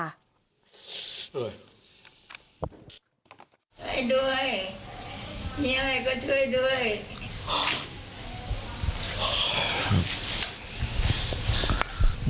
ช่วยด้วยมีอะไรก็ช่วยด้วย